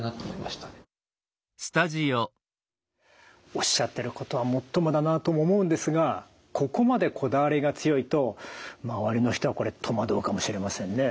おっしゃってることはもっともだなとも思うんですがここまでこだわりが強いと周りの人はこれ戸惑うかもしれませんね。